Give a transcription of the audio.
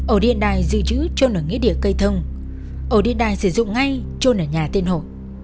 ổ điện đài dự trữ trôn ở nghĩa địa cây thông ổ điện đài sử dụng ngay trôn ở nhà tiên hộ